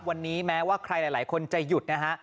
วันนี้แม้ว่าใครหลายคนจะหยุดนะฮะ